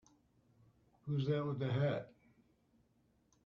Who's that with the hat?